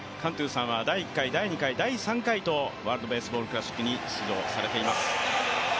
この方は第１回、第２回、第３回とワールドベースボールクラシックに出場されています。